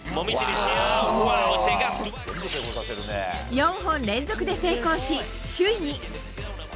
４本連続で成功し、首位に。